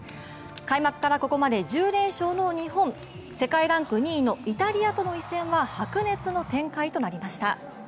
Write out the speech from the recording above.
開幕からここまで１０連勝の日本、世界ランク２位のイタリアとの一戦は白熱の展開となりました。